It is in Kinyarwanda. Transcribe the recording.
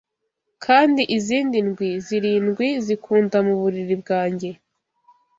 'Kandi izindi ndwi zirindwi zikunda muburiri bwanjye